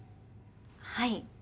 はい。